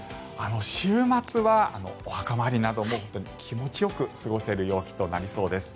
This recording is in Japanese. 週末はお墓参りなども気持ちよく過ごせる陽気となりそうです。